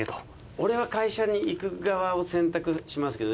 俺は会社に行く側を選択しますけど。